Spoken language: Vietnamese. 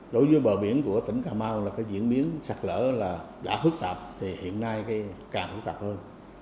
đối với bờ biển của tỉnh cà mau diễn biến sạt lở đã phức tạp hiện nay càng phức tạp hơn